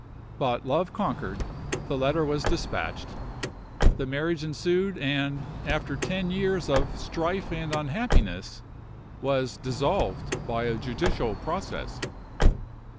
But love conquered; the letter was despatched, the marriage ensued, and, after ten years of strife and unhappiness, was dissolved by a judicial process.